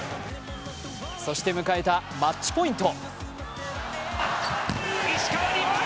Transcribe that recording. そして迎えたマッチポイント。